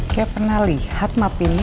kayak pernah liat map ini